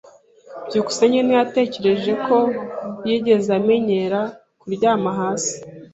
byukusenge ntiyatekereje ko yigeze amenyera kuryama hasi.